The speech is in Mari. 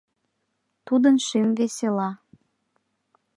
Тудын шӱм весела.